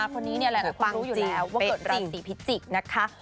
คนนี้หลายคนรู้อยู่แล้วว่าเกิดราศีพิจิกษ์นะคะ